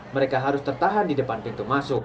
mereka harus tertahan di depan pintu masuk